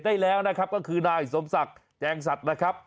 ได้แล้วนะครับก็คือนายสมศักดิ์แจงสัตว์นะครับ